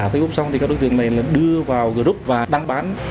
sau khi làm giả facebook thì các đối tượng này đưa vào group và đăng bán